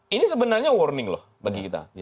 ini sebenarnya warning loh bagi kita